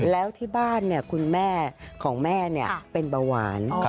แล้วที่บ้านคุณแม่ของแม่เป็นเบาหวาน